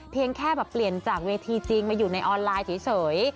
เพียงแค่แบบเปลี่ยนจากเวทีจริงมาอยู่ในออนไลน์เฉย